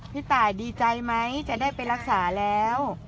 พี่ตายดีใจไหมจะได้ไปรักษาแล้ว